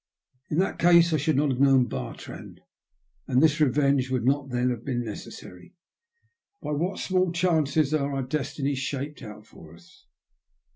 In that case I should not have known Bartrand, and this revenge would then not have been necessary. By what small chances are our destinies shaped out for us